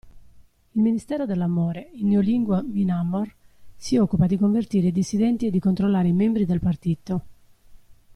Il Ministero dell'amore, in Neolingua MinAmor, si occupa di convertire i dissidenti e di controllare i membri del partito.